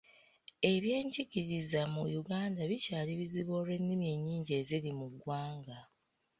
Ebyengigiriza mu Yuganda bikyali bizibu olw'ennimi ennyingi eziri mu gwanga.